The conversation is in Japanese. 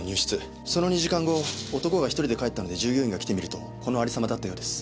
その２時間後男が１人で帰ったので従業員が来てみるとこの有り様だったようです。